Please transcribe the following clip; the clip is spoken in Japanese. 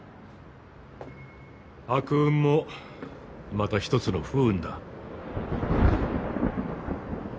悪運もまたひとつの不運だ。